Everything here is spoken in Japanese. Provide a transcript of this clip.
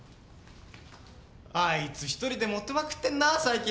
あいつ１人でモテまくってんな最近。